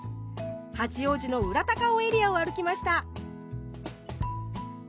八王子の裏高尾エリアを歩きました。